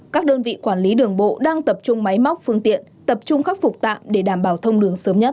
các đơn vị quản lý đường bộ đang tập trung máy móc phương tiện tập trung khắc phục tạm để đảm bảo thông đường sớm nhất